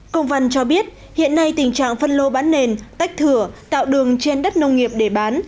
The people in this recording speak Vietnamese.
công văn cho biết hiện nay tình trạng phân lô bán nền tách thửa tạo đường trên đất nông nghiệp để bán